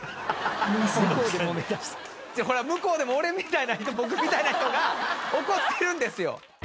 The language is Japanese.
向こうでも俺みたいな人僕みたいな人が怒ってるんですよ。